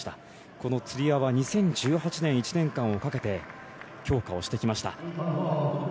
このつり輪は２０１８年、１年間をかけて強化をしてきました。